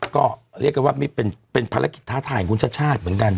ก็เรียกว่ามันเป็นเป็นภาระกิจท้าทายยุนชาติชาติเหมือนกัน